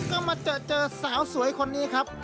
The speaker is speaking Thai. ก็มาเจอสาวสวยคนนี้ครับ